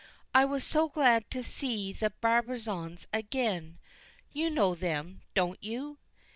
"I was so glad to see the Brabazons again. You know them, don't you?